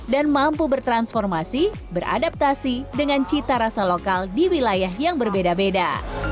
dan mampu bertransformasi beradaptasi dengan cita rasa lokal di wilayah yang berbeda beda